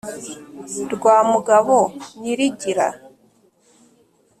Rwa mugabo nyirigira